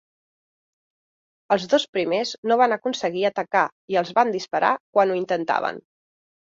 Els dos primers no van aconseguir atacar i els van disparar quan ho intentaven.